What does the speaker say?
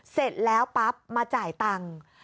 เสร็จแล้วปั๊บมาจ่ายตังค์